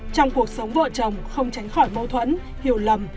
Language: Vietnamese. trong cuộc sống vợ chồng không tránh khỏi mâu thuẫn hiểu lầm